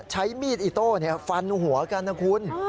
ใช้มีดอิโต้ฟันหัวกันนะคุณ